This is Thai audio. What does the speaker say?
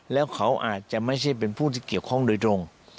แล้วเขาอาจจะไม่ใช่เป็นผู้ที่เกี่ยวข้องโดยตรง